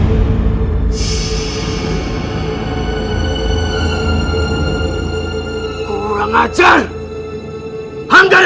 aku akan menangkapmu